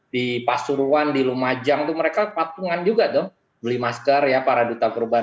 di pasuruan di lumajang tuh mereka patungan juga dong beli masker ya para duta perubahan